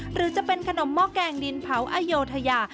หรือจะเป็นขนมหม้อแกงดินเผาอโยธยา